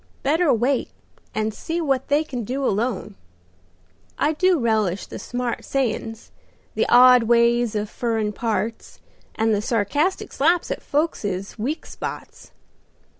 Better wait and see what they can do alone. I do relish the smart sayins, the odd ways of furrin parts, and the sarcastic slaps at folkses weak spots.